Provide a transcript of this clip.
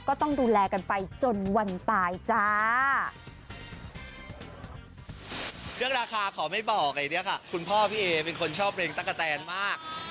ก็ต้องดูแลกันไปจนวันตายจ๊ะ